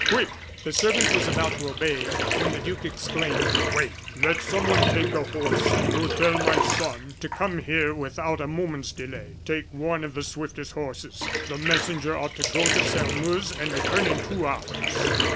Quick!" The servant was about to obey, when the duke exclaimed: "Wait! Let someone take a horse, and go and tell my son to come here without a moment's delay. Take one of the swiftest horses. The messenger ought to go to Sairmeuse and return in two hours."